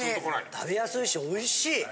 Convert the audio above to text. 食べやすいしおいしい！